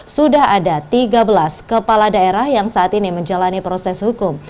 sudah ada tiga belas kepala daerah yang saat ini menjalani proses hukum